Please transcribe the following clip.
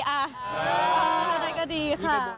แต่ได้ก็ดี